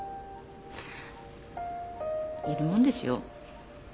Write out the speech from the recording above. いるもんですよ。